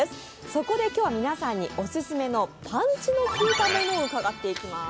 そこで今日は皆さんにオススメのパンチの効いたものを伺っていきます。